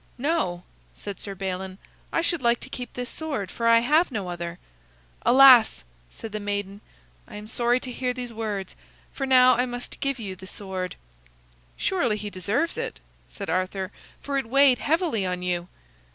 "No," said Sir Balin, "I should like to keep this sword, for I have no other." "Alas!" said the maiden, "I am sorry to hear these words, for now I must give you the sword." "Surely he deserves it," said Arthur, "for it weighed heavily on you."